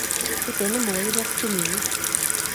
Fer denne Morje wär's genue.